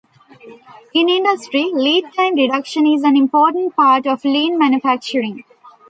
In industry, lead time reduction is an important part of lean manufacturing.